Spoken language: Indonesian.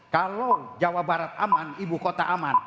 kalau jawa barat aman ibu kota aman